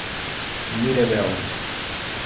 Mirabela